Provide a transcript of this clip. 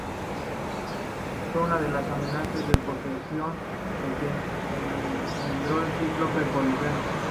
Fue una de las amantes de Poseidón, de quien engendró al cíclope Polifemo.